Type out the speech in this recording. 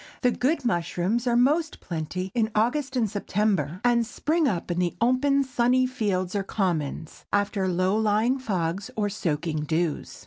The good mushrooms are most plenty in August and September, and spring up in the open, sunny fields or commons, after low lying fogs or soaking dews.